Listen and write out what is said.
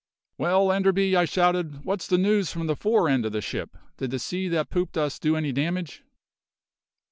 "Well, Enderby," I shouted, "what's the news from the fore end of the ship? Did the sea that pooped us do any damage?"